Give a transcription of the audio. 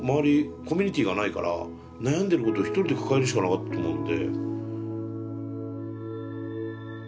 コミュニティーがないから悩んでること１人で抱えるしかなかったと思うんで。